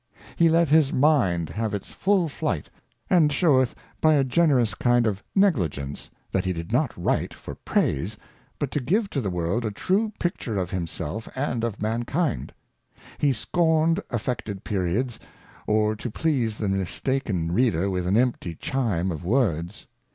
He let his Mind have its full Flight, and sheweth by a generous kind of Negligence that he did not Write for Praise, but to give to the World a true Picture of himself and of Mankind. He scorned affected Periods, or to please the mistaken Reader with an empty Chime of Words.